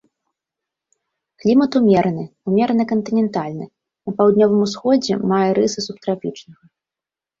Клімат умераны, ўмерана кантынентальны, на паўднёвым усходзе мае рысы субтрапічнага.